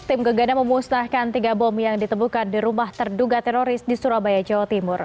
tim gegana memusnahkan tiga bom yang ditemukan di rumah terduga teroris di surabaya jawa timur